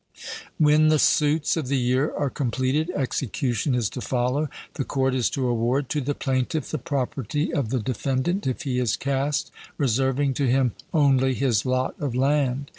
When the suits of the year are completed, execution is to follow. The court is to award to the plaintiff the property of the defendant, if he is cast, reserving to him only his lot of land.